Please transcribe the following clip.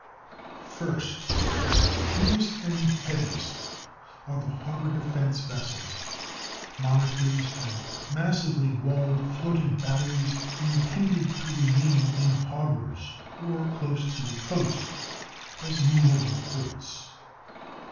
First, fewest, and heaviest are the harbor defense vessels—monitors and massively walled floating batteries, intended to remain in harbors, or close to the coast, as movable forts.